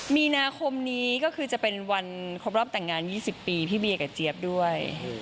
มีนาคมนี้ก็คือจะเป็นวันครบรอบแต่งงาน๒๐ปีพี่เบียกับเจี๊ยบด้วย